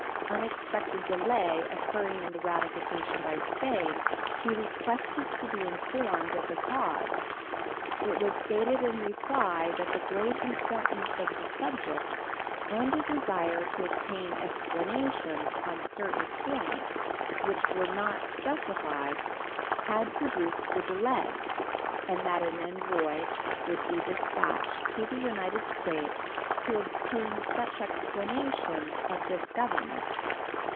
Unexpected delay occurring in the ratification by Spain, he requested to be informed of the cause. It was stated in reply that the great importance of the subject, and a desire to obtain explanations on certain points which were not specified, had produced the delay, and that an envoy would be dispatched to the United States to obtain such explanations of this Government.